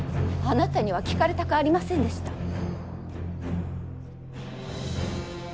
あなたには聞かれたくありませんでした。